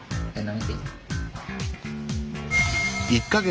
１か月。